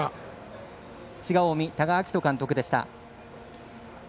滋賀、近江多賀章仁監督でした。